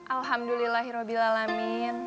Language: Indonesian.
alhamdulillah ya pok